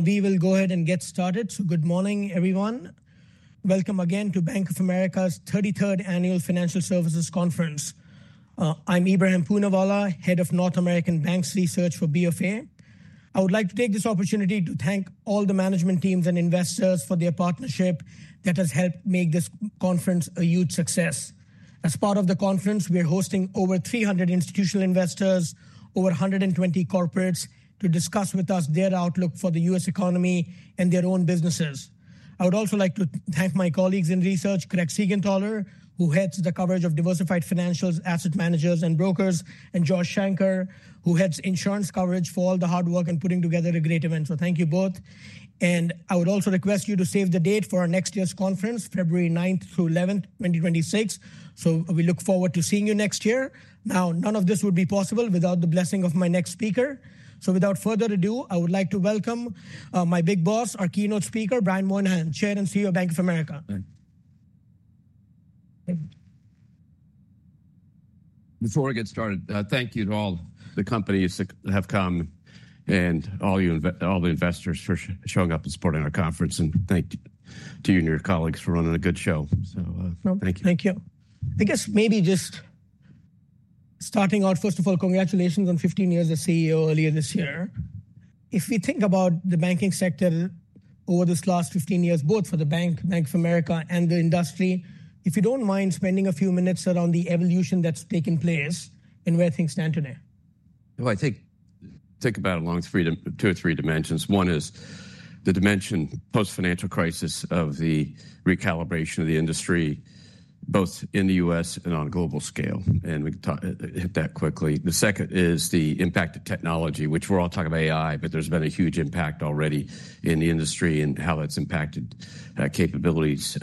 We will go ahead and get started. So good morning, everyone. Welcome again to Bank of America's 33rd Annual Financial Services Conference. I'm Ebrahim Poonawala, Head of North American Banks Research for BofA. I would like to take this opportunity to thank all the management teams and investors for their partnership that has helped make this conference a huge success. As part of the conference, we are hosting over 300 institutional investors, over 120 corporates to discuss with us their outlook for the U.S. economy and their own businesses. I would also like to thank my colleagues in research, Craig Siegenthaler, who heads the coverage of diversified financials, asset managers, and brokers, and Josh Shanker, who heads insurance coverage for all the hard work in putting together a great event. So thank you both. And I would also request you to save the date for our next year's conference, February 9th through 11th, 2026. So we look forward to seeing you next year. Now, none of this would be possible without the blessing of my next speaker. So without further ado, I would like to welcome my big boss, our keynote speaker, Brian Moynihan, Chair and CEO of Bank of America. Before we get started, thank you to all the companies that have come and all the investors for showing up and supporting our conference. And thank you to you and your colleagues for running a good show. So thank you. Thank you. I guess maybe just starting out, first of all, congratulations on 15 years as CEO earlier this year. If we think about the banking sector over this last 15 years, both for the bank, Bank of America, and the industry, if you don't mind spending a few minutes around the evolution that's taken place and where things stand today. I think about it along two or three dimensions. One is the dimension post-financial crisis of the recalibration of the industry, both in the U.S. and on a global scale. And we can hit that quickly. The second is the impact of technology, which we're all talking about AI, but there's been a huge impact already in the industry and how that's impacted capabilities,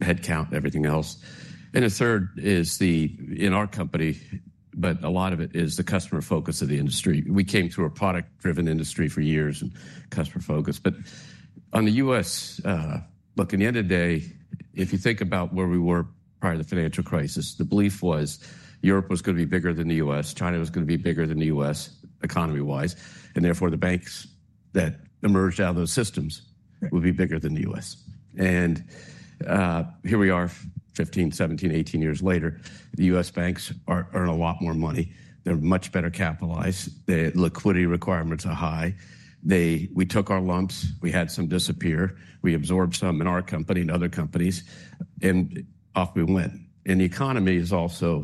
headcount, everything else. And the third is the, in our company, but a lot of it is the customer focus of the industry. We came through a product-driven industry for years and customer focus. But on the U.S., look, at the end of the day, if you think about where we were prior to the financial crisis, the belief was Europe was going to be bigger than the U.S., China was going to be bigger than the U.S. Economy-wise, and therefore the banks that emerged out of those systems would be bigger than the U.S. And here we are, 15, 17, 18 years later, the U.S. banks earn a lot more money. They're much better capitalized. The liquidity requirements are high. We took our lumps. We had some disappear. We absorbed some in our company and other companies, and off we went. And the economy is also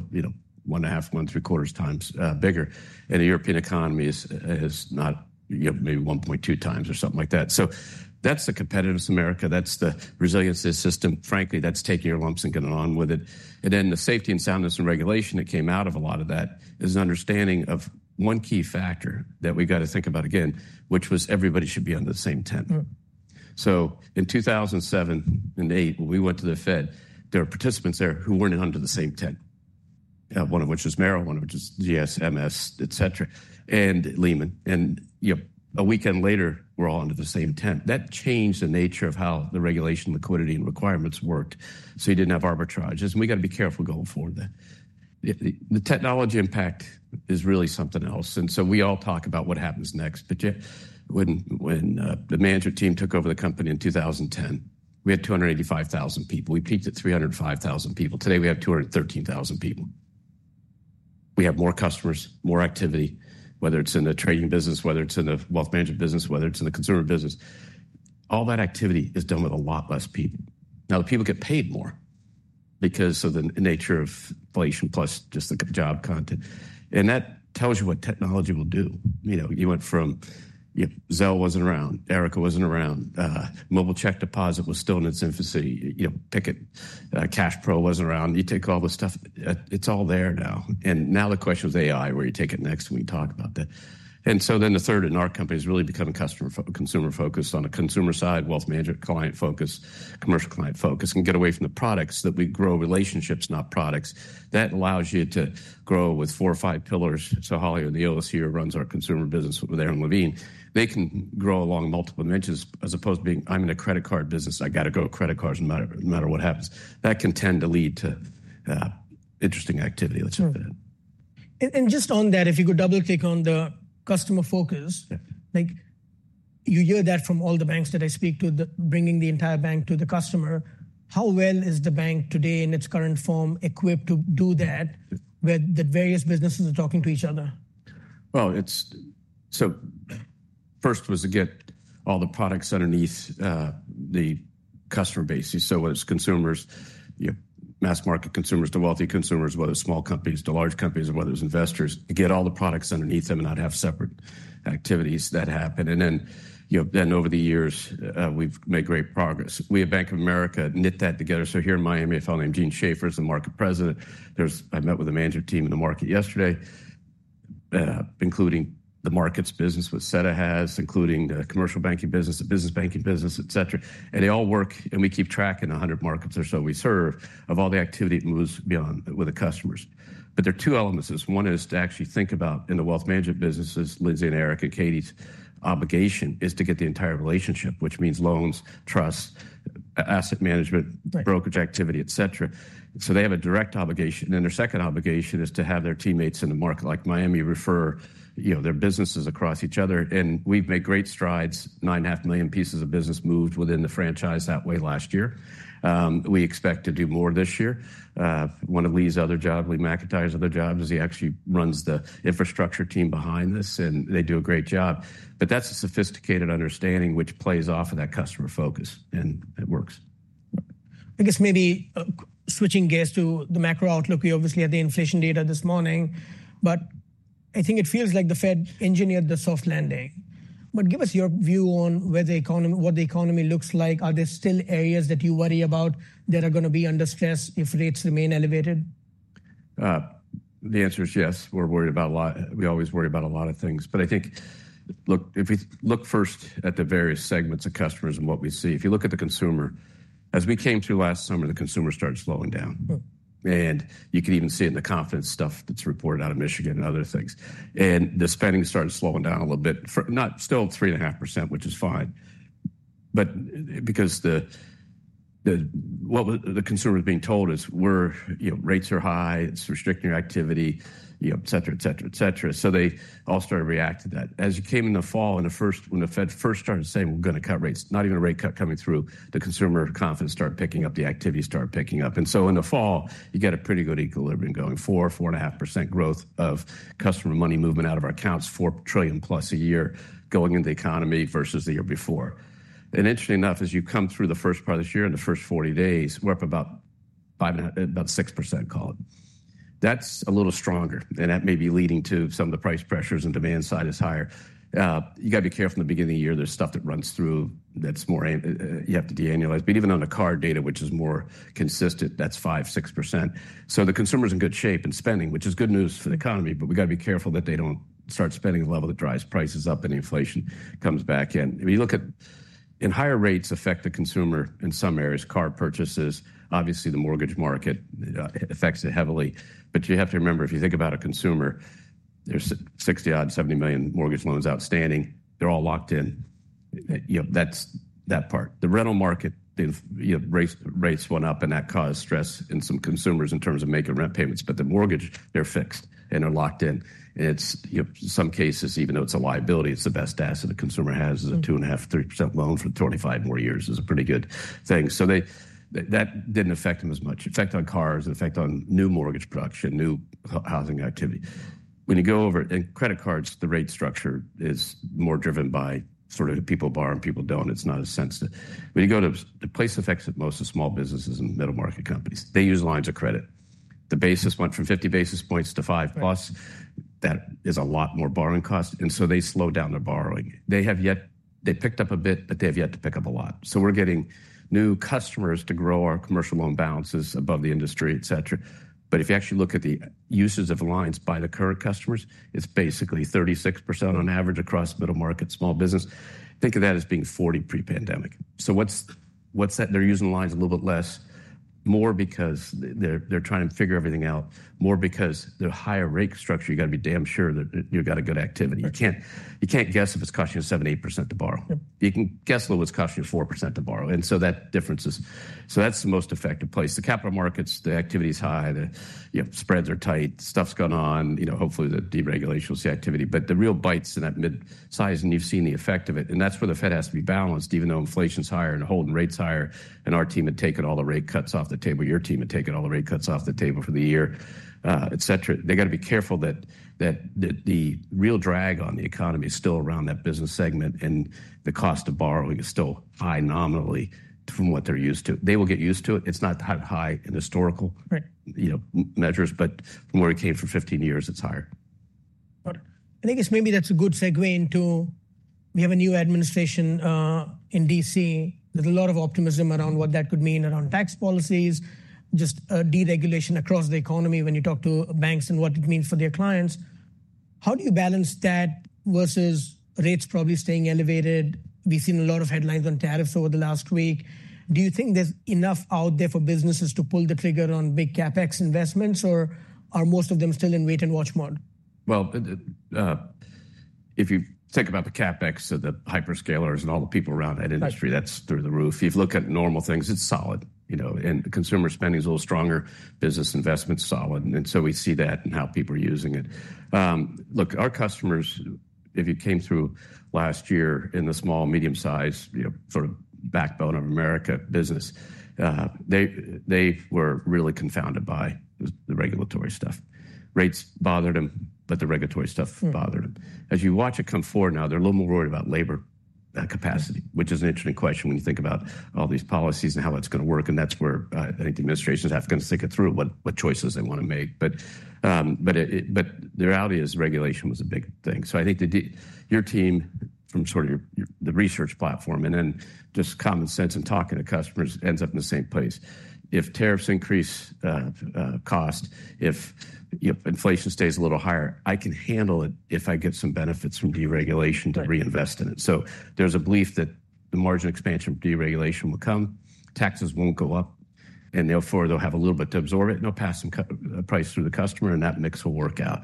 one and a half, one and three quarters times bigger. And the European economy is not maybe 1.2 times or something like that. So that's the competitiveness of America. That's the resiliency of the system. Frankly, that's taking your lumps and getting on with it. And then the safety and soundness and regulation that came out of a lot of that is an understanding of one key factor that we got to think about again, which was everybody should be under the same tent. So in 2007 and 2008, when we went to the Fed, there were participants there who weren't under the same tent, one of which is Merrill, one of which is GS, MS, et cetera, and Lehman. And a weekend later, we're all under the same tent. That changed the nature of how the regulation, liquidity, and requirements worked. So you didn't have arbitrages. And we got to be careful going forward there. The technology impact is really something else. And so we all talk about what happens next. But when the management team took over the company in 2010, we had 285,000 people. We peaked at 305,000 people. Today we have 213,000 people. We have more customers, more activity, whether it's in the trading business, whether it's in the wealth management business, whether it's in the consumer business. All that activity is done with a lot less people. Now, the people get paid more because of the nature of inflation plus just the job content. And that tells you what technology will do. You went from Zelle wasn't around, Erica wasn't around, Mobile Check Deposit was still in its infancy, CashPro wasn't around. You take all the stuff. It's all there now. And now the question was AI, where you take it next when we talk about that. And so then the third in our company is really becoming customer-focused, consumer-focused on a consumer side, wealth management client focus, commercial client focus, and get away from the products that we grow relationships, not products. That allows you to grow with four or five pillars. So Holly O'Neill is here and runs our consumer business with Aron Levine. They can grow along multiple dimensions as opposed to being, "I'm in a credit card business. I got to go to credit cards no matter what happens." That can tend to lead to interesting activity that's happening. And just on that, if you could double-click on the customer focus, you hear that from all the banks that I speak to, bringing the entire bank to the customer. How well is the bank today in its current form equipped to do that where the various businesses are talking to each other? First was to get all the products underneath the customer base. Whether it's consumers, mass market consumers to wealthy consumers, whether it's small companies to large companies, or whether it's investors, to get all the products underneath them and not have separate activities that happen. Over the years, we've made great progress. We at Bank of America knit that together. Here in Miami, a fellow named Gene Schaefer is the market president. I met with the management team in the market yesterday, including the markets business with Sebastian Haas, including the commercial banking business, the business banking business, et cetera. They all work, and we keep track in 100 markets or so we serve, of all the activity it moves beyond with the customers. There are two elements. One is to actually think about in the wealth management businesses. Lindsay and Eric and Katy's obligation is to get the entire relationship, which means loans, trusts, asset management, brokerage activity, et cetera. So they have a direct obligation, and then their second obligation is to have their teammates in the market, like Miami, refer their businesses across each other, and we've made great strides. 9.5 million pieces of business moved within the franchise that way last year. We expect to do more this year. One of Lee's other jobs, Lee McEntire's other jobs, is he actually runs the infrastructure team behind this, and they do a great job, but that's a sophisticated understanding, which plays off of that customer focus, and it works. I guess maybe switching gears to the macro outlook, we obviously had the inflation data this morning, but I think it feels like the Fed engineered the soft landing. But give us your view on what the economy looks like. Are there still areas that you worry about that are going to be under stress if rates remain elevated? The answer is yes. We're worried about a lot. We always worry about a lot of things. But I think, look, if we look first at the various segments of customers and what we see, if you look at the consumer, as we came through last summer, the consumer started slowing down. And you can even see it in the confidence stuff that's reported out of Michigan and other things. And the spending started slowing down a little bit, not still 3.5%, which is fine. But because what the consumer is being told is, "Rates are high. It's restricting your activity," et cetera, et cetera, et cetera. So they all started to react to that. As it came in the fall, when the Fed first started saying, "We're going to cut rates," not even a rate cut coming through, the consumer confidence started picking up, the activity started picking up. And so in the fall, you got a pretty good equilibrium going, 4%-4.5% growth of customer money movement out of our accounts, $4 trillion-plus a year going into the economy versus the year before. And interesting enough, as you come through the first part of this year and the first 40 days, we're up about 6%, call it. That's a little stronger. And that may be leading to some of the price pressures and demand side is higher. You got to be careful in the beginning of the year. There's stuff that runs through that's more you have to de-annualize. But even on the card data, which is more consistent, that's 5%-6%. So the consumer is in good shape and spending, which is good news for the economy. But we got to be careful that they don't start spending at a level that drives prices up and inflation comes back in. I mean, you look at higher rates affect the consumer in some areas, car purchases. Obviously, the mortgage market affects it heavily. But you have to remember, if you think about a consumer, there's 60-odd, 70 million mortgage loans outstanding. They're all locked in. That's that part. The rental market, rates went up, and that caused stress in some consumers in terms of making rent payments. But the mortgage, they're fixed and they're locked in. And in some cases, even though it's a liability, it's the best asset a consumer has is a 2.5%-3% loan for 25 more years is a pretty good thing. So that didn't affect them as much. Effect on cars, effect on new mortgage production, new housing activity. When you go over and credit cards, the rate structure is more driven by sort of people borrow and people don't. It's not a sense to when you go to the place that affects it most is small businesses and middle market companies. They use lines of credit. The basis went from 50 basis points to 5 plus. That is a lot more borrowing cost. And so they slowed down their borrowing. They picked up a bit, but they have yet to pick up a lot. So we're getting new customers to grow our commercial loan balances above the industry, et cetera. But if you actually look at the uses of lines by the current customers, it's basically 36% on average across middle market, small business. Think of that as being 40% pre-pandemic. So what's that? They're using lines a little bit less, more because they're trying to figure everything out, more because the higher rate structure. You got to be damn sure that you've got a good activity. You can't guess if it's costing you 7%-8% to borrow. You can guess a little what's costing you 4% to borrow. And so that difference is so that's the most effective place. The capital markets, the activity is high. The spreads are tight. Stuff's going on. Hopefully, the deregulation will see activity. But the real bites in that mid-size, and you've seen the effect of it. And that's where the Fed has to be balanced, even though inflation's higher and holding rates higher. And our team had taken all the rate cuts off the table. Your team had taken all the rate cuts off the table for the year, et cetera. They got to be careful that the real drag on the economy is still around that business segment, and the cost of borrowing is still high nominally from what they're used to. They will get used to it. It's not that high in historical measures, but from where it came from 15 years, it's higher. I think maybe that's a good segue into we have a new administration in D.C. There's a lot of optimism around what that could mean around tax policies, just deregulation across the economy when you talk to banks and what it means for their clients. How do you balance that versus rates probably staying elevated? We've seen a lot of headlines on tariffs over the last week. Do you think there's enough out there for businesses to pull the trigger on big CapEx investments, or are most of them still in wait-and-watch mode? If you think about the CapEx or the hyperscalers and all the people around that industry, that's through the roof. If you look at normal things, it's solid. And consumer spending is a little stronger. Business investment's solid. And so we see that in how people are using it. Look, our customers, if you came through last year in the small, medium-sized sort of backbone of America business, they were really confounded by the regulatory stuff. Rates bothered them, but the regulatory stuff bothered them. As you watch it come forward now, they're a little more worried about labor capacity, which is an interesting question when you think about all these policies and how it's going to work. And that's where I think the administrations have to kind of think it through what choices they want to make. But the reality is regulation was a big thing. So, I think your team from sort of the research platform and then just common sense and talking to customers ends up in the same place. If tariffs increase cost, if inflation stays a little higher, I can handle it if I get some benefits from deregulation to reinvest in it. So there's a belief that the margin expansion deregulation will come. Taxes won't go up. And therefore, they'll have a little bit to absorb it. And they'll pass some price through the customer, and that mix will work out.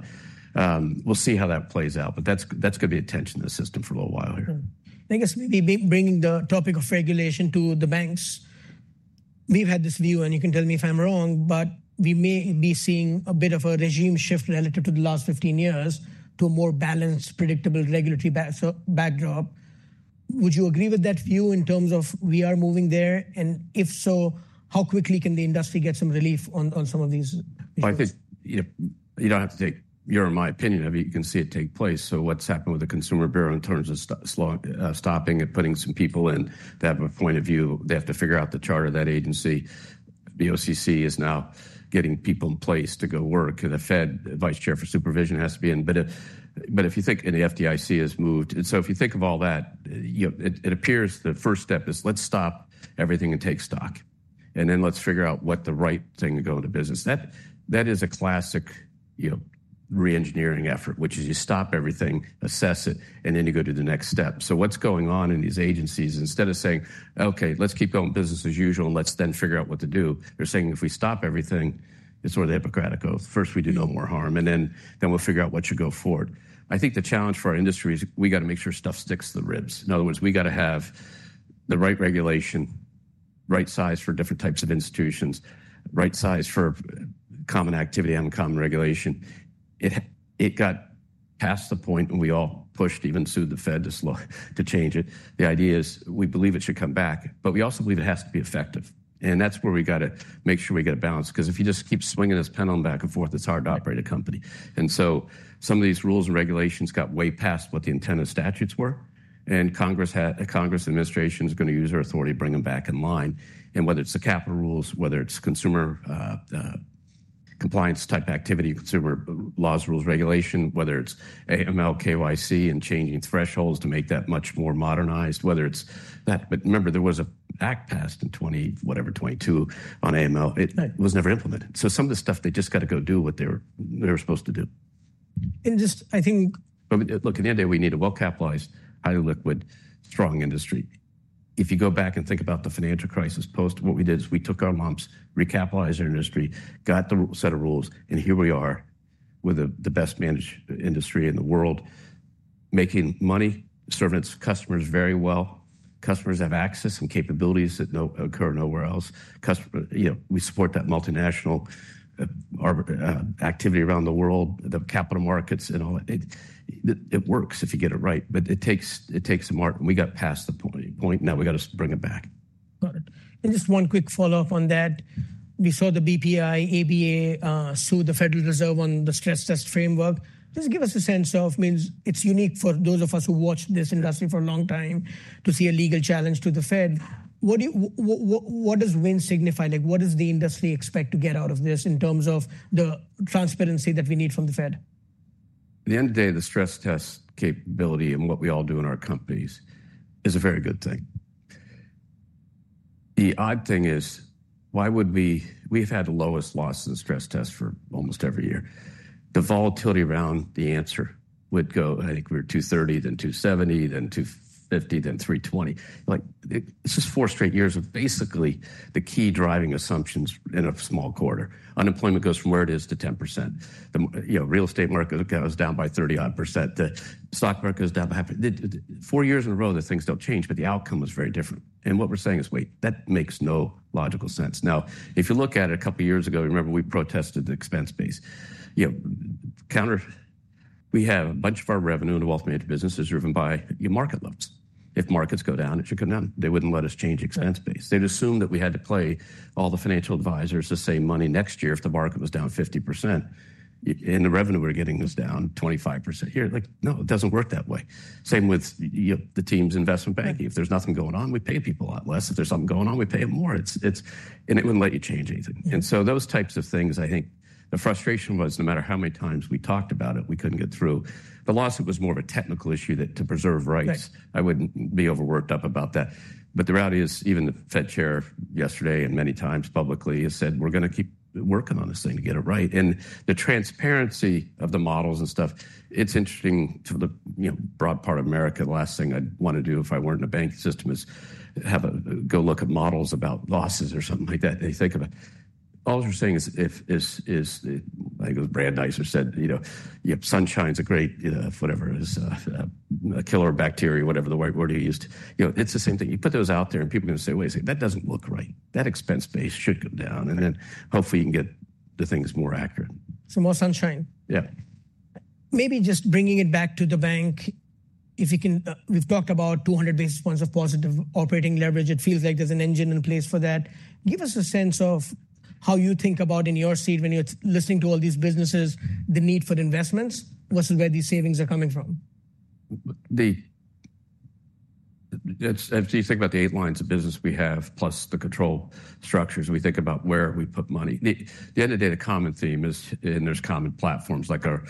We'll see how that plays out. But that's going to be a tension in the system for a little while here. I guess maybe bringing the topic of regulation to the banks, we've had this view, and you can tell me if I'm wrong, but we may be seeing a bit of a regime shift relative to the last 15 years to a more balanced, predictable regulatory backdrop. Would you agree with that view in terms of we are moving there? And if so, how quickly can the industry get some relief on some of these issues? I think you don't have to take your and my opinion. You can see it take place. What's happened with the Consumer Bureau in terms of stopping and putting some people in that point of view, they have to figure out the charter of that agency. The OCC is now getting people in place to go work. The Fed, Vice Chair for Supervision, has to be in. If you think in the FDIC has moved. If you think of all that, it appears the first step is let's stop everything and take stock. Then let's figure out what the right thing to go into business. That is a classic re-engineering effort, which is you stop everything, assess it, and then you go to the next step. So what's going on in these agencies, instead of saying, "Okay, let's keep going business as usual, and let's then figure out what to do," they're saying, "If we stop everything, it's sort of the Hippocratic Oath. First, we do no more harm, and then we'll figure out what should go forward." I think the challenge for our industry is we got to make sure stuff sticks to the ribs. In other words, we got to have the right regulation, right size for different types of institutions, right size for common activity, uncommon regulation. It got past the point when we all pushed, even sued the Fed to change it. The idea is we believe it should come back, but we also believe it has to be effective. And that's where we got to make sure we get a balance. Because if you just keep swinging this pendulum back and forth, it's hard to operate a company. And so some of these rules and regulations got way past what the intended statutes were. And Congress administration is going to use her authority to bring them back in line. And whether it's the capital rules, whether it's consumer compliance type activity, consumer laws, rules, regulation, whether it's AML, KYC, and changing thresholds to make that much more modernized, whether it's that. But remember, there was an act passed in 20 whatever, 2022 on AML. It was never implemented. So some of the stuff, they just got to go do what they were supposed to do. And just, I think. Look, at the end of the day, we need a well-capitalized, highly liquid, strong industry. If you go back and think about the financial crisis post, what we did is we took our lumps, recapitalized our industry, got the set of rules, and here we are with the best managed industry in the world, making money, serving its customers very well. Customers have access and capabilities that occur nowhere else. We support that multinational activity around the world, the capital markets, and all that. It works if you get it right. But it takes some art. We got past the point. Now we got to bring it back. Got it. And just one quick follow-up on that. We saw the BPI, ABA sue the Federal Reserve on the stress test framework. Just give us a sense of, I mean, it's unique for those of us who watch this industry for a long time to see a legal challenge to the Fed. What does WIN signify? What does the industry expect to get out of this in terms of the transparency that we need from the Fed? At the end of the day, the stress test capability and what we all do in our companies is a very good thing. The odd thing is, why would we? We've had the lowest loss in the stress test for almost every year. The volatility around the answer would go, I think we were 230, then 270, then 250, then 320. This is four straight years of basically the key driving assumptions in a small quarter. Unemployment goes from where it is to 10%. The real estate market goes down by 30-odd%. The stock market goes down by half. Four years in a row, the things don't change, but the outcome was very different. What we're saying is, wait, that makes no logical sense. Now, if you look at it a couple of years ago, remember we protested the expense base. We have a bunch of our revenue in the wealth management business is driven by market lows. If markets go down, it should come down. They wouldn't let us change expense base. They'd assume that we had to pay all the financial advisors to save money next year if the market was down 50%. And the revenue we're getting is down 25% here. No, it doesn't work that way. Same with the team's investment banking. If there's nothing going on, we pay people a lot less. If there's something going on, we pay them more. And it wouldn't let you change anything. And so those types of things, I think the frustration was no matter how many times we talked about it, we couldn't get through. The lawsuit was more of a technical issue to preserve rights. I wouldn't be overwrought up about that. The reality is even the Fed Chair yesterday and many times publicly has said, "We're going to keep working on this thing to get it right." The transparency of the models and stuff, it's interesting to the broad part of America. The last thing I'd want to do if I weren't in a banking system is have to go look at models about losses or something like that. You think of it. All I'm saying is, I think it was Brandeis said, "Sunshine's a great, whatever it is, a killer bacteria," whatever the word he used. It's the same thing. You put those out there, and people are going to say, "Wait, that doesn't look right. That expense base should go down." Then hopefully, you can get the things more accurate. More sunshine. Yeah. Maybe just bringing it back to the bank, if you can. We've talked about 200 basis points of positive operating leverage. It feels like there's an engine in place for that. Give us a sense of how you think about in your seat when you're listening to all these businesses, the need for investments versus where these savings are coming from? If you think about the eight lines of business we have, plus the control structures, we think about where we put money. At the end of the day, the common theme is, and there's common platforms like our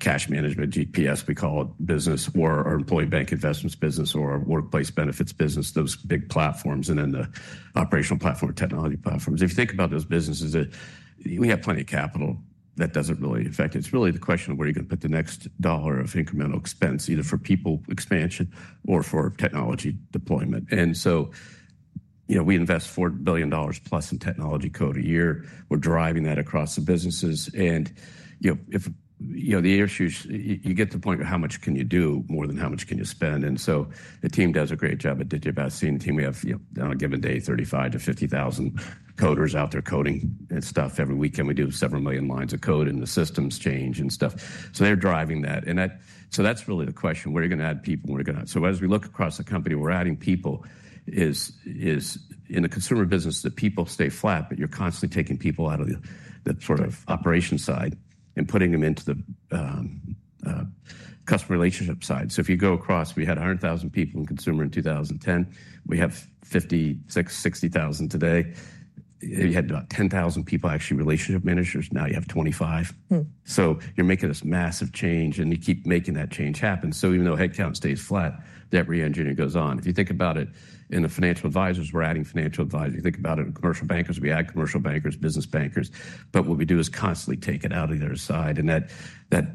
cash management, GPS, we call it, business, or our employee bank investments business, or our workplace benefits business, those big platforms, and then the operational platform, technology platforms. If you think about those businesses, we have plenty of capital that doesn't really affect it. It's really the question of where you're going to put the next dollar of incremental expense, either for people expansion or for technology deployment. And so we invest $4 billion plus in technology code a year. We're driving that across the businesses. And the issues, you get to the point of how much can you do more than how much can you spend? And so the team does a great job at Aditya Bhasin's team. We have, on a given day, 35,000-50,000 coders out there coding and stuff. Every weekend, we do several million lines of code, and the systems change and stuff. So they're driving that. And so that's really the question, where are you going to add people? So as we look across the company, we're adding people. In the consumer business, the people stay flat, but you're constantly taking people out of the sort of operation side and putting them into the customer relationship side. So if you go across, we had 100,000 people in consumer in 2010. We have 56,000-60,000 today. You had about 10,000 people, actually, relationship managers. Now you have 25,000. So you're making this massive change, and you keep making that change happen. So even though headcount stays flat, that reengineering goes on. If you think about it, in the financial advisors, we're adding financial advisors. You think about it in commercial bankers, we add commercial bankers, business bankers. But what we do is constantly take it out of their side. And that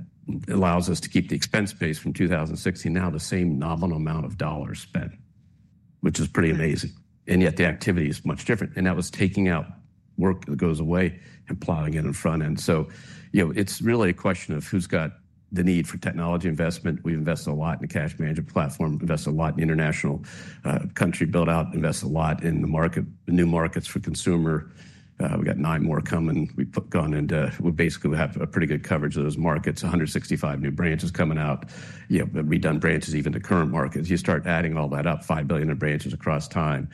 allows us to keep the expense base from 2016 now the same nominal amount of dollars spent, which is pretty amazing. And yet the activity is much different. And that was taking out work that goes away and plowing in the front end. So it's really a question of who's got the need for technology investment. We've invested a lot in the cash management platform, invested a lot in international country buildout, invested a lot in the market, the new markets for consumer. We got nine more coming. We've gone into we basically have a pretty good coverage of those markets, 165 new branches coming out, redone branches even to current markets. You start adding all that up, $5 billion in branches across time,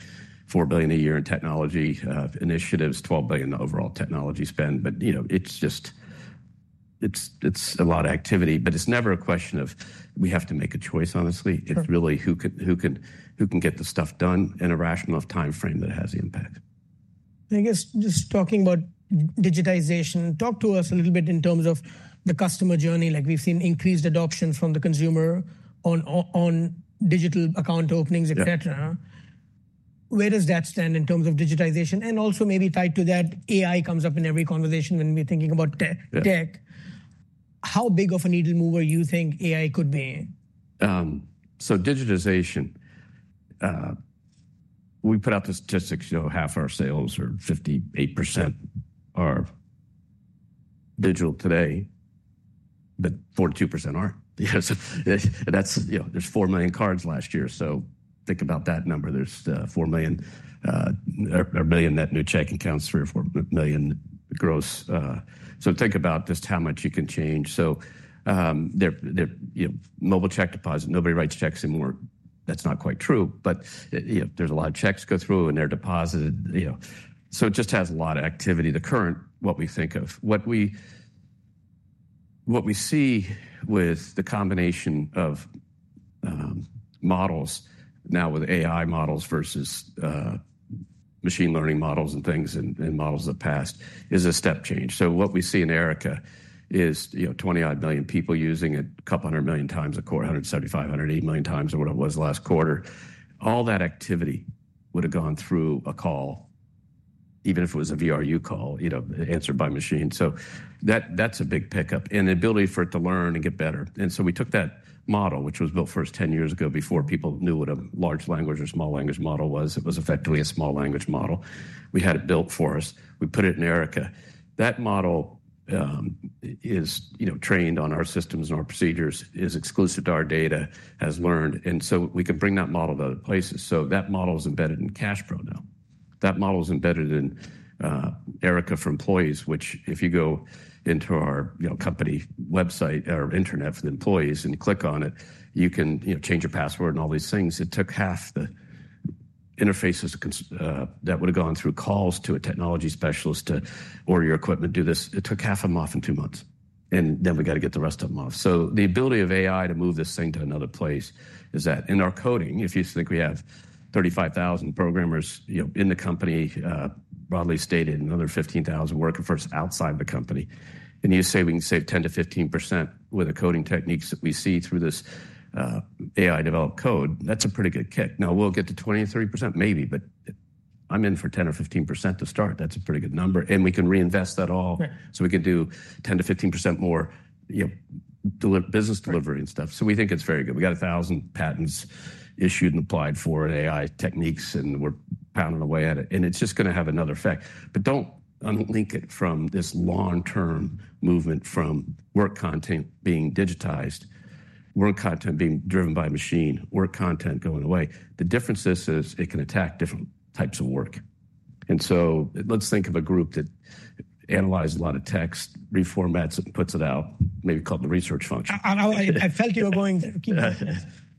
$4 billion a year in technology initiatives, $12 billion overall technology spend. But it's just a lot of activity. But it's never a question of we have to make a choice, honestly. It's really who can get the stuff done in a rational enough time frame that it has the impact. I guess just talking about digitization, talk to us a little bit in terms of the customer journey. We've seen increased adoption from the consumer on digital account openings, et cetera. Where does that stand in terms of digitization? And also maybe tied to that, AI comes up in every conversation when we're thinking about tech. How big of a needle mover you think AI could be? So digitization, we put out the statistics. Half our sales or 58% are digital today, but 42% aren't. There are 4 million cards last year. So think about that number. There are 3 million net new checking accounts, 3-4 million gross. So think about just how much you can change. So Mobile Check Deposit, nobody writes checks anymore. That's not quite true. But there's a lot of checks go through, and they're deposited. So it just has a lot of activity. The current, what we think of, what we see with the combination of models now with AI models versus machine learning models and things and models of the past is a step change. So what we see in Erica is 20-odd million people using it a couple hundred million times a quarter, 175-180 million times or what it was last quarter. All that activity would have gone through a call, even if it was a VRU call, answered by machine, so that's a big pickup, and the ability for it to learn and get better, and so we took that model, which was built first 10 years ago before people knew what a large language or small language model was. It was effectively a small language model. We had it built for us. We put it in Erica. That model is trained on our systems and our procedures, is exclusive to our data, has learned, and so we can bring that model to other places, so that model is embedded in CashPro now. That model is embedded in Erica for employees, which if you go into our company website or internet for the employees and click on it, you can change your password and all these things. It took half the interfaces that would have gone through calls to a technology specialist to order your equipment, do this. It took half of them off in two months. And then we got to get the rest of them off. So the ability of AI to move this thing to another place is that. And our coding, if you think we have 35,000 programmers in the company, broadly stated, and another 15,000 working for us outside the company. And you say we can save 10%-15% with the coding techniques that we see through this AI developed code, that's a pretty good kick. Now, we'll get to 20% or 30%, maybe. But I'm in for 10%-15% to start. That's a pretty good number. And we can reinvest that all. So we can do 10%-15% more business delivery and stuff. So we think it's very good. We got 1,000 patents issued and applied for AI techniques, and we're pounding away at it. And it's just going to have another effect. But don't unlink it from this long-term movement from work content being digitized, work content being driven by machine, work content going away. The difference is it can attack different types of work. And so let's think of a group that analyzes a lot of text, reformats it, puts it out, maybe called the research function. I felt you were going.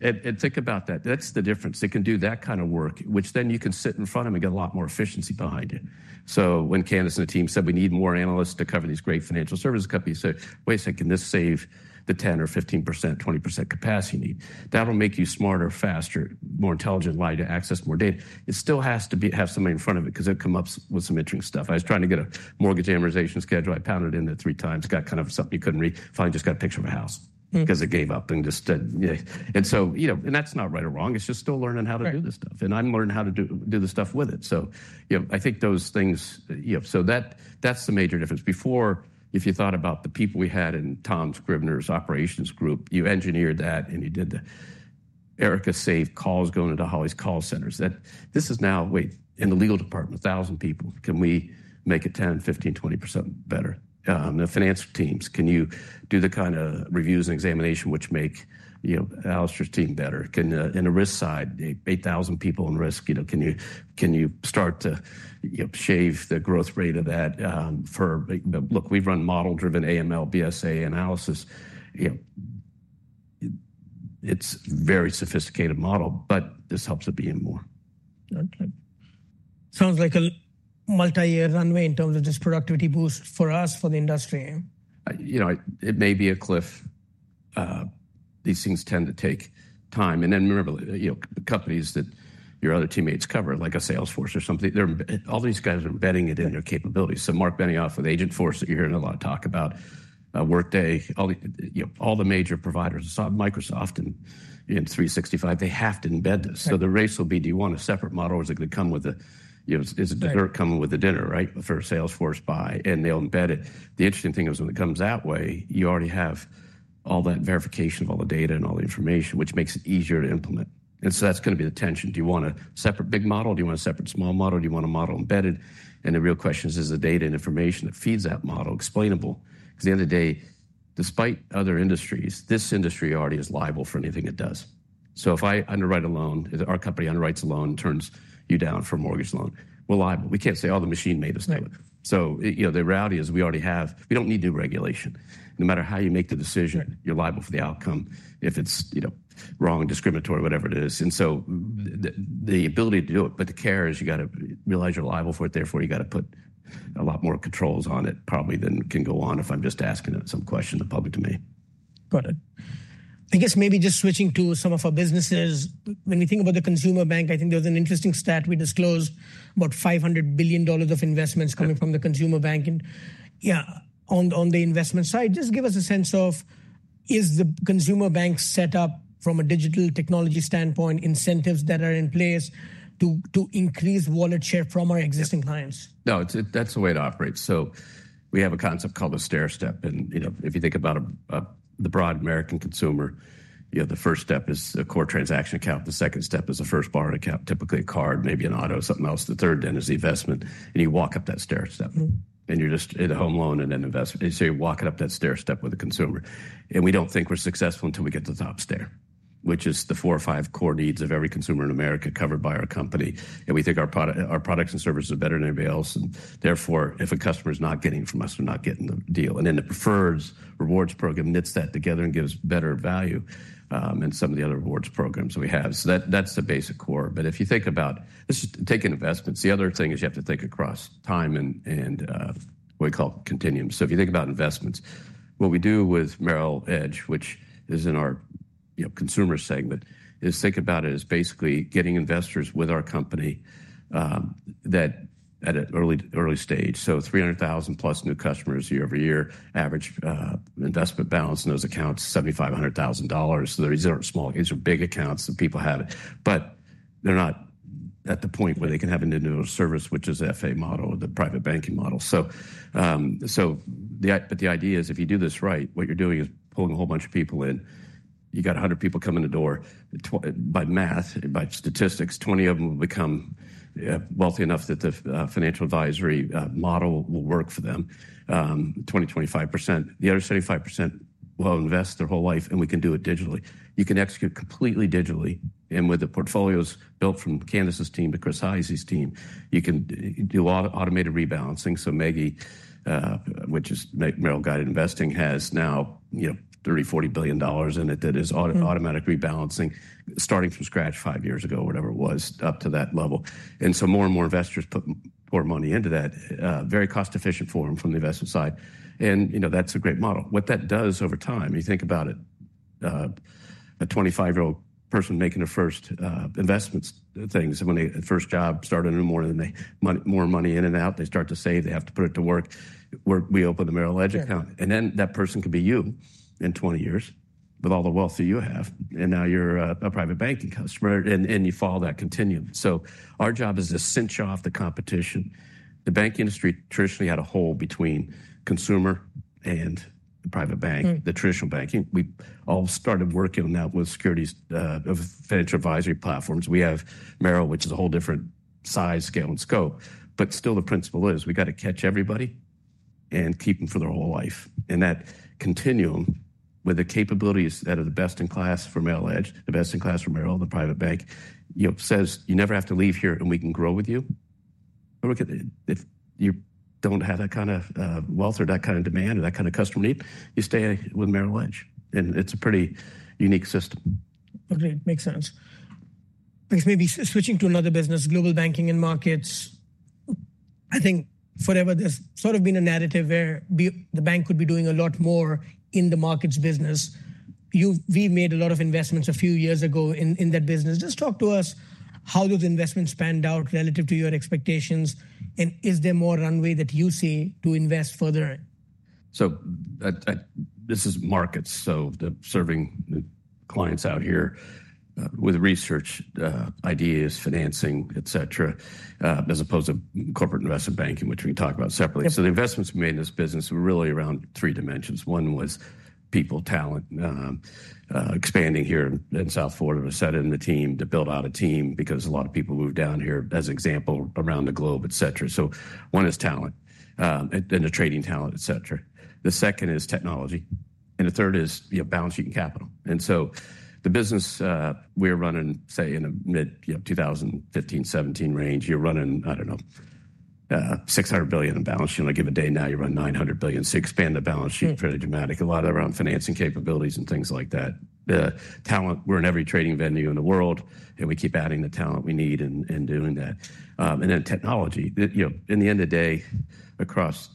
And think about that. That's the difference. It can do that kind of work, which then you can sit in front of them and get a lot more efficiency behind it. So when Candace and the team said, "We need more analysts to cover these great financial services companies," they said, "Wait a second. This saves the 10% or 15%, 20% capacity need. That'll make you smarter, faster, more intelligent in light to access more data." It still has to have somebody in front of it because it comes up with some interesting stuff. I was trying to get a mortgage amortization schedule. I pounded into it three times, got kind of something you couldn't read. Finally just got a picture of a house because it gave up and just said, "Yeah." And that's not right or wrong. It's just still learning how to do this stuff. I'm learning how to do the stuff with it. I think those things, so that's the major difference. Before, if you thought about the people we had in Tom Scrivener's operations group, you engineered that, and you did the Erica save calls going into Holly's call centers. This is now, wait, in the legal department, 1,000 people. Can we make it 10%, 15%, 20% better? The finance teams, can you do the kind of reviews and examination which make Alastair's team better? The risk side, 8,000 people in risk. Can you start to shave the growth rate of that? Look, we've run model-driven AML, BSA analysis. It's a very sophisticated model, but this helps it be even more. Okay. Sounds like a multi-year runway in terms of this productivity boost for us, for the industry. It may be a cliff. These things tend to take time, and then remember, the companies that your other teammates cover, like a Salesforce or something, all these guys are embedding it in their capabilities. So Mark Benioff with Agentforce that you're hearing a lot of talk about, Workday, all the major providers, Microsoft and 365, they have to embed this. So the race will be, do you want a separate model or is it going to come with a, is it dessert coming with the dinner, right, for Salesforce buy? And they'll embed it. The interesting thing is when it comes that way, you already have all that verification of all the data and all the information, which makes it easier to implement. And so that's going to be the tension. Do you want a separate big model? Do you want a separate small model? Do you want a model embedded? And the real question is, is the data and information that feeds that model explainable? Because at the end of the day, despite other industries, this industry already is liable for anything it does. So if I underwrite a loan, our company underwrites a loan and turns you down for a mortgage loan, we're liable. We can't say, "Oh, the machine made us do it." So the reality is we already have. We don't need new regulation. No matter how you make the decision, you're liable for the outcome if it's wrong, discriminatory, whatever it is. And so the ability to do it, but the care is you got to realize you're liable for it. Therefore, you got to put a lot more controls on it probably than can go on if I'm just asking some questions of public demand. Got it. I guess maybe just switching to some of our businesses. When we think about the consumer bank, I think there was an interesting stat we disclosed, about $500 billion of investments coming from the consumer bank. And yeah, on the investment side, just give us a sense of, is the consumer bank set up from a digital technology standpoint, incentives that are in place to increase wallet share from our existing clients? No, that's the way it operates. So we have a concept called a stair step. And if you think about the broad American consumer, the first step is a core transaction account. The second step is a first borrowed account, typically a card, maybe an auto, something else. The third then is the investment. And you walk up that stair step. And you're just in a home loan and an investment. So you're walking up that stair step with a consumer. And we don't think we're successful until we get to the top stair, which is the four or five core needs of every consumer in America covered by our company. And we think our products and services are better than anybody else. And therefore, if a customer is not getting from us, they're not getting the deal. And then the Preferred Rewards program knits that together and gives better value and some of the other rewards programs that we have. So that's the basic core. But if you think about, let's just take investments. The other thing is you have to think across time and what we call continuum. So if you think about investments, what we do with Merrill Edge, which is in our consumer segment, is think about it as basically getting investors with our company at an early stage. So 300,000 plus new customers year over year, average investment balance in those accounts, $7,500,000. So these are small, these are big accounts that people have. But they're not at the point where they can have an individual service, which is the FA model, the private banking model. But the idea is if you do this right, what you're doing is pulling a whole bunch of people in. You got 100 people coming in the door. By math, by statistics, 20 of them will become wealthy enough that the financial advisory model will work for them, 20%-25%. The other 75% will invest their whole life, and we can do it digitally. You can execute completely digitally. With the portfolios built from Candace's team to Chris Hyzy's team, you can do automated rebalancing. Maggie, which is Merrill Guided Investing, has now $30-$40 billion in it that is automatic rebalancing, starting from scratch five years ago, whatever it was, up to that level. More and more investors put more money into that, very cost-efficient form from the investment side. That's a great model. What that does over time, you think about it, a 25-year-old person making their first investments, things, when their first job started in the morning, they put more money in and out. They start to save. They have to put it to work. We open the Merrill Edge account, and then that person could be you in 20 years with all the wealth that you have, and now you're a private banking customer, and you follow that continuum. So our job is to cinch off the competition. The bank industry traditionally had a hole between consumer and private bank, the traditional banking. We all started working on that with securities of financial advisory platforms. We have Merrill, which is a whole different size, scale, and scope. But still, the principle is we got to catch everybody and keep them for their whole life. That continuum with the capabilities that are the best in class for Merrill Edge, the best in class for Merrill, the Private Bank, says, "You never have to leave here, and we can grow with you." But look, if you don't have that kind of wealth or that kind of demand or that kind of customer need, you stay with Merrill Edge, and it's a pretty unique system. Okay. Makes sense. I guess maybe switching to another business, global banking and markets. I think forever there's sort of been a narrative where the bank could be doing a lot more in the markets business. We made a lot of investments a few years ago in that business. Just talk to us how those investments panned out relative to your expectations. And is there more runway that you see to invest further? This is markets. The serving clients out here with research, ideas, financing, et cetera, as opposed to corporate investment banking, which we can talk about separately. The investments we made in this business were really around three dimensions. One was people, talent, expanding here in South Florida, setting up the team to build out a team because a lot of people moved down here as an example around the globe, et cetera. One is talent and the trading talent, et cetera. The second is technology. And the third is balance sheet and capital. And so the business we're running, say, in the mid-2015, 2017 range, you're running, I don't know, $600 billion in balance sheet. I'll say today, now you run $900 billion. You expand the balance sheet fairly dramatically. A lot of it around financing capabilities and things like that. The talent, we're in every trading venue in the world, and we keep adding the talent we need and doing that. And then technology. In the end of the day, across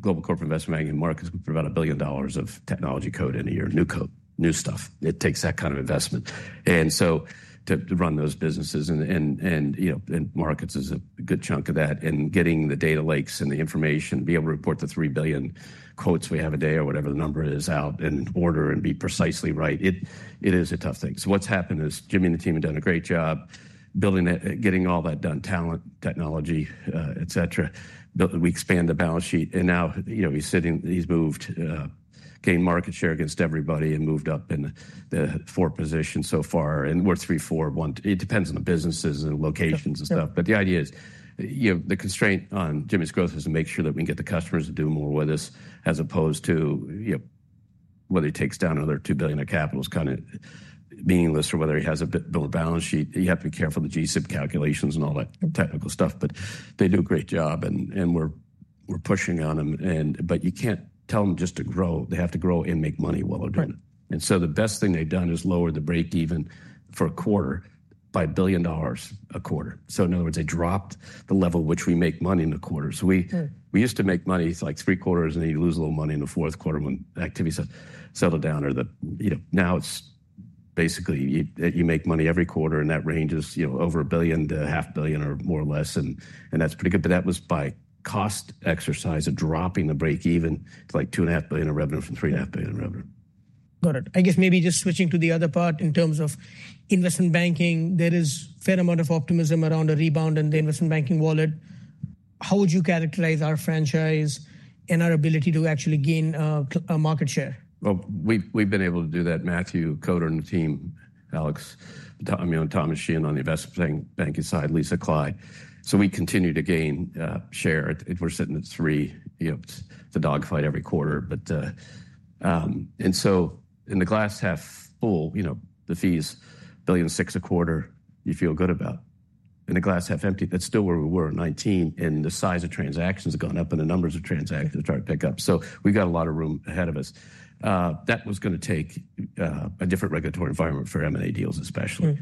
global corporate investment banking markets, we put about $1 billion of technology code in a year, new code, new stuff. It takes that kind of investment. And so to run those businesses and markets is a good chunk of that. And getting the data lakes and the information, being able to report the 3 billion quotes we have a day or whatever the number is out in order and be precisely right, it is a tough thing. So what's happened is Jimmy and the team have done a great job building that, getting all that done, talent, technology, et cetera. We expand the balance sheet. And now he's moved, gained market share against everybody, and moved up in the fourth position so far. And we're three, four, one. It depends on the businesses and locations and stuff. But the idea is the constraint on Jimmy's growth is to make sure that we can get the customers to do more with us as opposed to whether he takes down another $2 billion of capital, which is kind of meaningless, or whether he has to build a balance sheet. You have to be careful of the G-SIB calculations and all that technical stuff. But they do a great job, and we're pushing on them. But you can't tell them just to grow. They have to grow and make money while they're doing it. And so the best thing they've done is lower the break-even for a quarter by $1 billion a quarter. In other words, they dropped the level at which we make money in the quarter. We used to make money like three quarters, and then you lose a little money in the fourth quarter when activity settled down. Now it's basically you make money every quarter, and that range is over $1 billion to $500 million or more or less. That's pretty good. That was by cost exercise of dropping the break-even to like $2.5 billion of revenue from $3.5 billion of revenue. Got it. I guess maybe just switching to the other part in terms of investment banking, there is a fair amount of optimism around a rebound in the investment banking wallet. How would you characterize our franchise and our ability to actually gain a market share? We've been able to do that, Matthew Koder and the team, Alex. I mean, on Thomas Sheehan on the investment banking side, Lisa Clyde. We continue to gain share. We're sitting at three. It's a dogfight every quarter. In the glass half full, the fees, a billion and six a quarter, you feel good about. In the glass half empty, that's still where we were, 19. The size of transactions has gone up, and the numbers of transactions have started to pick up. We've got a lot of room ahead of us. That was going to take a different regulatory environment for M&A deals, especially.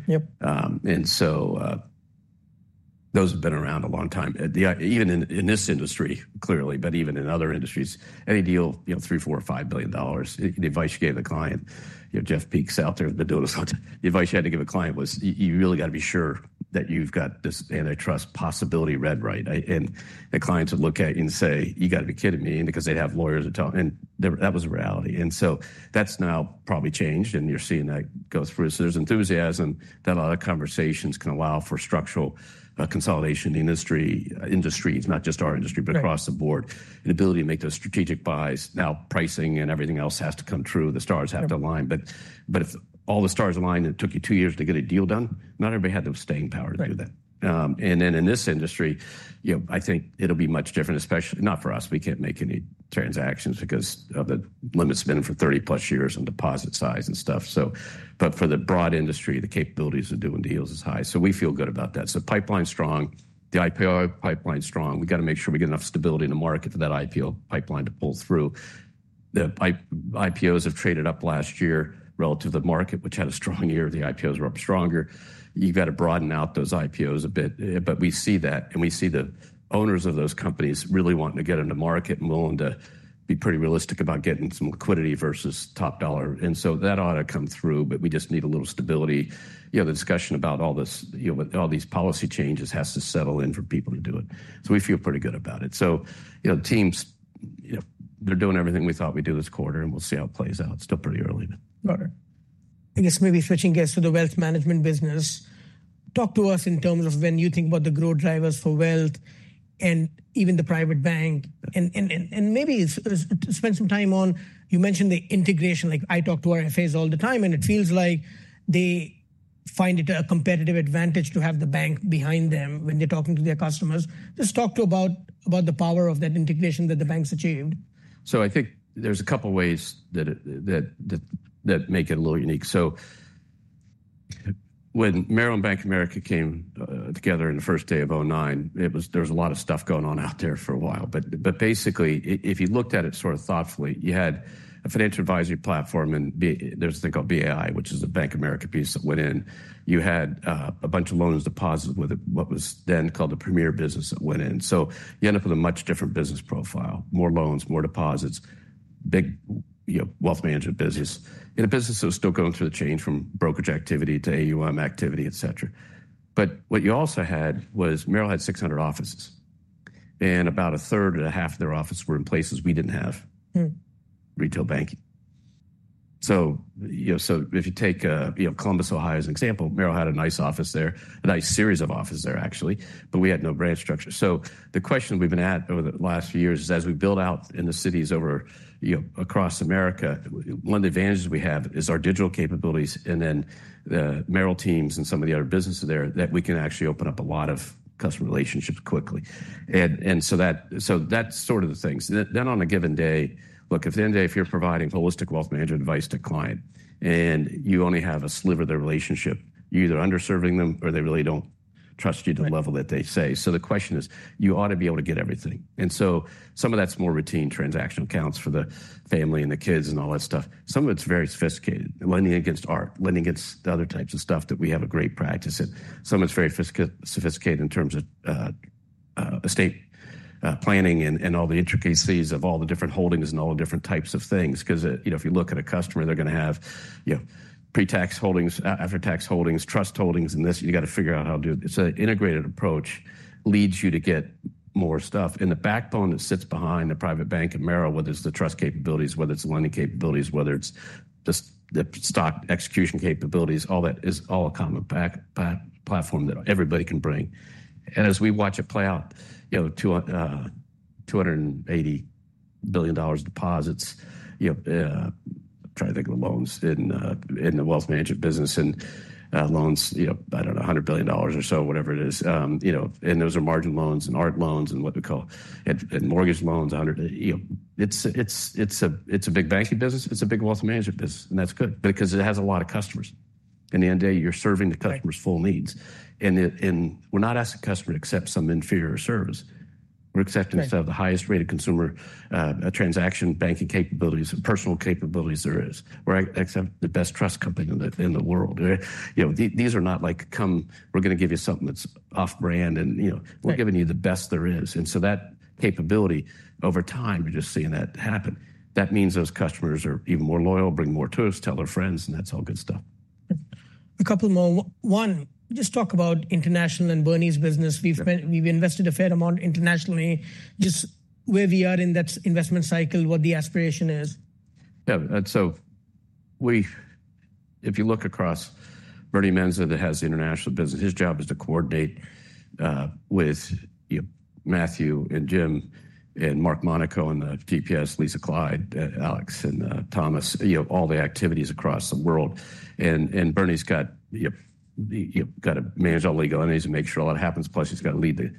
Those have been around a long time. Even in this industry, clearly, but even in other industries, any deal $3 billion, $4 billion, or $5 billion, the advice you gave the client, Jeff Peek's out there has been doing this. The advice you had to give a client was, you really got to be sure that you've got this antitrust possibility read right. And the clients would look at you and say, you got to be kidding me, because they'd have lawyers and talk. And that was a reality. And so that's now probably changed, and you're seeing that go through. So there's enthusiasm that a lot of conversations can allow for structural consolidation in the industry, not just our industry, but across the board. And the ability to make those strategic buys, now pricing and everything else has to come true. The stars have to align. But if all the stars aligned and it took you two years to get a deal done, not everybody had the staying power to do that. And then in this industry, I think it'll be much different, especially not for us. We can't make any transactions because of the limits have been for 30 plus years on deposit size and stuff. But for the broad industry, the capabilities of doing deals is high. So we feel good about that. So pipeline's strong. The IPO pipeline's strong. We got to make sure we get enough stability in the market for that IPO pipeline to pull through. The IPOs have traded up last year relative to the market, which had a strong year. The IPOs were up stronger. You've got to broaden out those IPOs a bit. But we see that. We see the owners of those companies really wanting to get into market and willing to be pretty realistic about getting some liquidity versus top dollar. That ought to come through, but we just need a little stability. The discussion about all these policy changes has to settle in for people to do it. We feel pretty good about it. The teams, they're doing everything we thought we'd do this quarter, and we'll see how it plays out. It's still pretty early. Got it. I guess maybe switching gears to the wealth management business. Talk to us in terms of when you think about the growth drivers for wealth and even the private bank. And maybe spend some time on. You mentioned the integration. I talk to our FAs all the time, and it feels like they find it a competitive advantage to have the bank behind them when they're talking to their customers. Just talk about the power of that integration that the bank's achieved. I think there's a couple of ways that make it a little unique. When Merrill and Bank of America came together in the first day of 2009, there was a lot of stuff going on out there for a while. But basically, if you looked at it sort of thoughtfully, you had a financial advisory platform, and there's a thing called BAI, which is a Bank of America piece that went in. You had a bunch of loans deposited with what was then called a premier business that went in. So you end up with a much different business profile, more loans, more deposits, big wealth management business, in a business that was still going through the change from brokerage activity to AUM activity, et cetera. But what you also had was Merrill had 600 offices. And about a third and a half of their offices were in places we didn't have retail banking. So if you take Columbus, Ohio, as an example, Merrill had a nice office there, a nice series of offices there, actually, but we had no branch structure. So the question we've been at over the last few years is, as we build out in the cities across America, one of the advantages we have is our digital capabilities and then the Merrill teams and some of the other businesses there that we can actually open up a lot of customer relationships quickly. And so that's sort of the things. Then on a given day, look, at the end of the day, if you're providing holistic wealth management advice to a client and you only have a sliver of their relationship, you're either underserving them or they really don't trust you to the level that they say. So the question is, you ought to be able to get everything. And so some of that's more routine transactional accounts for the family and the kids and all that stuff. Some of it's very sophisticated, lending against art, lending against the other types of stuff that we have a great practice in. Some of it's very sophisticated in terms of estate planning and all the intricacies of all the different holdings and all the different types of things. Because if you look at a customer, they're going to have pre-tax holdings, after-tax holdings, trust holdings, and this. You got to figure out how to do it, so an integrated approach leads you to get more stuff, and the backbone that sits behind the private bank at Merrill, whether it's the trust capabilities, whether it's the lending capabilities, whether it's the stock execution capabilities, all that is all a common platform that everybody can bring. And as we watch it play out, $280 billion deposits, I'm trying to think of the loans in the wealth management business and loans, I don't know, $100 billion or so, whatever it is. And those are margin loans and art loans and what we call mortgage loans. It's a big banking business. It's a big wealth management business. And that's good because it has a lot of customers. In the end of the day, you're serving the customer's full needs. And we're not asking customers to accept some inferior service. We're excited to have the highest rated consumer transaction banking capabilities, personalized capabilities that there is. We have the best trust company in the world. These are not like, "Come, we're going to give you something that's off-brand," and we're giving you the best there is. And so that capability over time, we're just seeing that happen. That means those customers are even more loyal, bring more to us, tell their friends, and that's all good stuff. A couple more. One, just talk about international and Bernie's business. We've invested a fair amount internationally. Just where we are in that investment cycle, what the aspiration is. Yeah. So if you look across Bernie Mensah, that has the international business, his job is to coordinate with Matthew and Jim and Mark Monaco, and the GPS, Lisa Clyde, Alex, and Thomas, all the activities across the world. And Bernie's got to manage all legal entities and make sure all that happens. Plus, he's got to lead the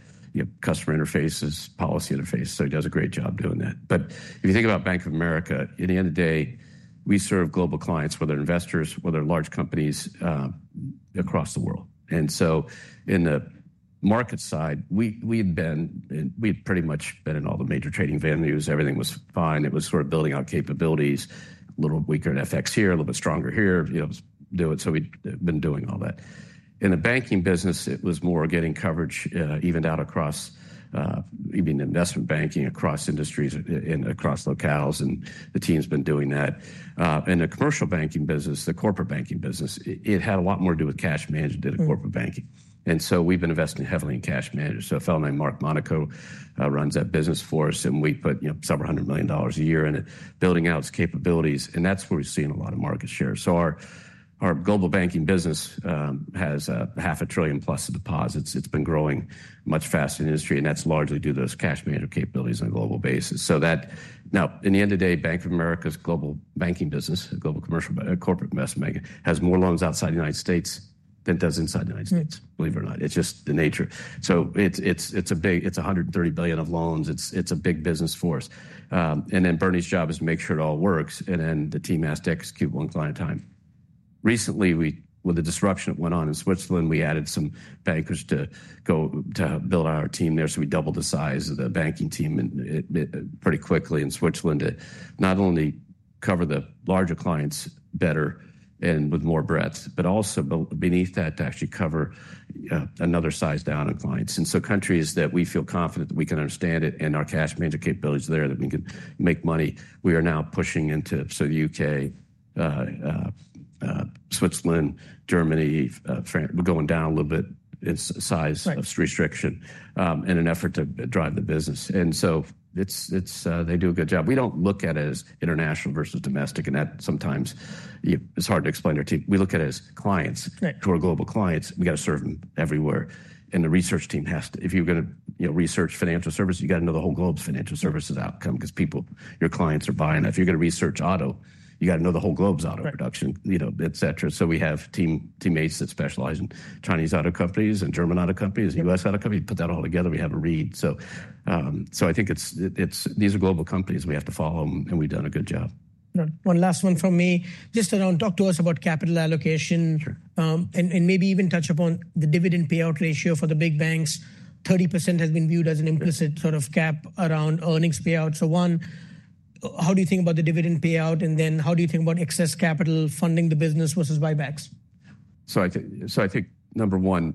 customer interfaces, policy interface. So he does a great job doing that. But if you think about Bank of America, at the end of the day, we serve global clients, whether investors, whether large companies across the world. And so in the market side, we had pretty much been in all the major trading venues. Everything was fine. It was sort of building out capabilities, a little weaker at FX here, a little bit stronger here, do it. So we've been doing all that. In the banking business, it was more getting coverage evened out across, even investment banking across industries and across locales. And the team's been doing that. And the commercial banking business, the corporate banking business, it had a lot more to do with cash management than corporate banking. And so we've been investing heavily in cash management. So a fellow named Mark Monaco runs that business for us, and we put several hundred million dollars a year in it, building out its capabilities. And that's where we've seen a lot of market share. So our global banking business has $500 billion plus of deposits. It's been growing much faster in the industry, and that's largely due to those cash management capabilities on a global basis. So now, in the end of the day, Bank of America's global banking business, global commercial corporate investment banking, has more loans outside the United States than it does inside the United States, believe it or not. It's just the nature. So it's a $130 billion of loans. It's a big business for us. And then Bernie's job is to make sure it all works. And then the team has to execute one client at a time. Recently, with the disruption that went on in Switzerland, we added some bankers to build out our team there. So we doubled the size of the banking team pretty quickly in Switzerland to not only cover the larger clients better and with more breadth, but also beneath that to actually cover another size down of clients. Countries that we feel confident that we can understand it and our cash management capabilities there that we can make money, we are now pushing into the UK, Switzerland, Germany, France. We're going down a little bit in size restriction in an effort to drive the business. They do a good job. We don't look at it as international versus domestic. That sometimes it's hard to explain to our team. We look at it as clients. To our global clients, we got to serve them everywhere. The research team has to, if you're going to research financial services, you got to know the whole globe's financial services outcome because your clients are buying that. If you're going to research auto, you got to know the whole globe's auto production, et cetera. So we have teammates that specialize in Chinese auto companies and German auto companies, U.S. auto companies. Put that all together, we have a read. So I think these are global companies. We have to follow them, and we've done a good job. One last one from me. Just around, talk to us about capital allocation and maybe even touch upon the dividend payout ratio for the big banks. 30% has been viewed as an implicit sort of cap around earnings payout. So one, how do you think about the dividend payout? And then how do you think about excess capital funding the business versus buybacks? So I think number one,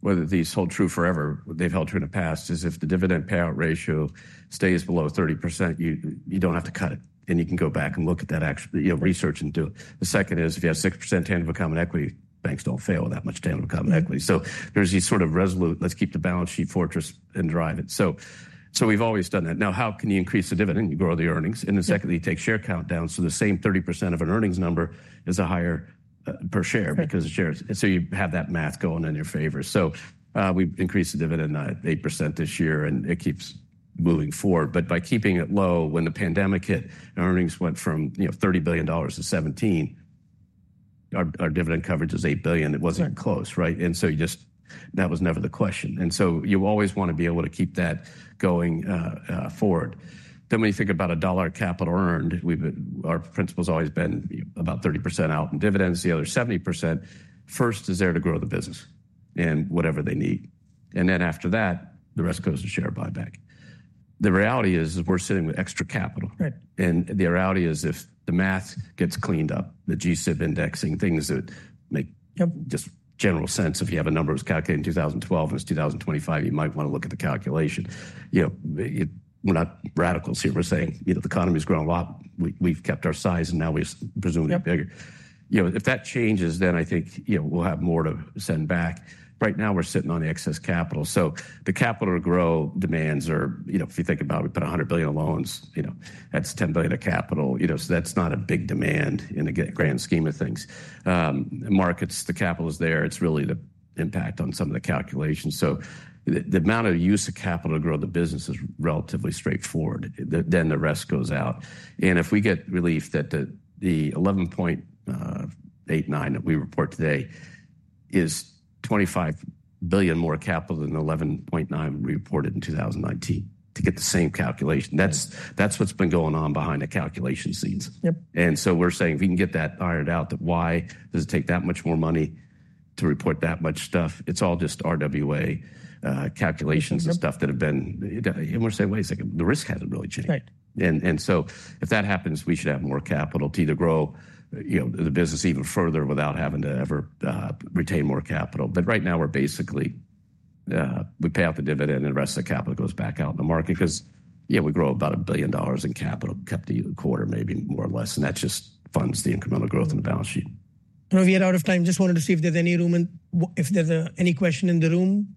whether these hold true forever, they've held true in the past, is if the dividend payout ratio stays below 30%, you don't have to cut it. And you can go back and look at that research and do it. The second is if you have 6% tangible common equity, banks don't fail that much tangible common equity. So there's these sort of resolute, let's keep the balance sheet fortress and drive it. So we've always done that. Now, how can you increase the dividend? You grow the earnings. And then secondly, you take share count down. So the same 30% of an earnings number is a higher per share because of shares. So you have that math going in your favor. So we've increased the dividend at 8% this year, and it keeps moving forward. But by keeping it low, when the pandemic hit, our earnings went from $30 billion to $17 billion. Our dividend coverage was $8 billion. It wasn't close, right? And so that was never the question. And so you always want to be able to keep that going forward. Then when you think about a dollar capital earned, our principle has always been about 30% out in dividends. The other 70% first is there to grow the business and whatever they need. And then after that, the rest goes to share buyback. The reality is we're sitting with extra capital. And the reality is if the math gets cleaned up, the G-SIB indexing, things that make just general sense, if you have a number that was calculated in 2012 and it's 2025, you might want to look at the calculation. We're not radicals here. We're saying the economy's grown a lot. We've kept our size, and now we're presumably bigger. If that changes, then I think we'll have more to send back. Right now, we're sitting on the excess capital. So the capital to grow demands are, if you think about it, we put $100 billion of loans. That's $10 billion of capital. So that's not a big demand in the grand scheme of things. Markets, the capital is there. It's really the impact on some of the calculations. So the amount of use of capital to grow the business is relatively straightforward. Then the rest goes out. And if we get relief that the 11.89% that we report today is $25 billion more capital than the 11.9% we reported in 2019 to get the same calculation. That's what's been going on behind the calculation scenes. And so we're saying if we can get that ironed out, why does it take that much more money to report that much stuff? It's all just RWA calculations and stuff that have been, and we're saying, wait a second, the risk hasn't really changed. And so if that happens, we should have more capital to either grow the business even further without having to ever retain more capital. But right now, we're basically, we pay out the dividend, and the rest of the capital goes back out in the market because we grow about $1 billion in capital per quarter, maybe more or less. And that just funds the incremental growth in the balance sheet. We're already out of time. Just wanted to see if there's any room and if there's any question in the room.